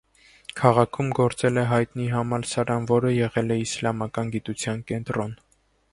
Քաղաքում գործել է հայտնի համալսարան, որը եղել է իսլամական գիտության կենտրոն։